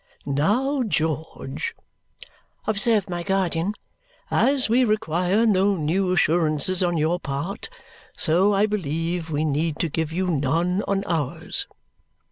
"Now, George," observed my guardian, "as we require no new assurances on your part, so I believe we need give you none on ours."